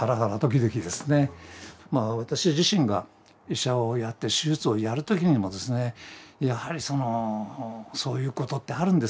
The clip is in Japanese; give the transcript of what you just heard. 私自身が医者をやって手術をやる時にもですねやはりそういうことってあるんですね。